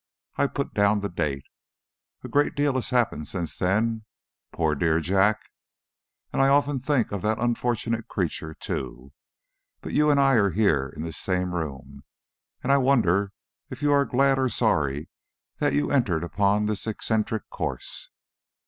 I put down the date. A great deal has happened since then poor dear Jack! And I often think of that unfortunate creature, too. But you and I are here in this same room, and I wonder if you are glad or sorry that you entered upon this eccentric course."